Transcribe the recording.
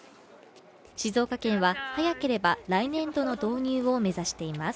静岡県は早ければ来年度の導入を目指しています。